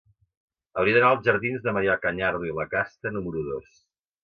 Hauria d'anar als jardins de Marià Cañardo i Lacasta número dos.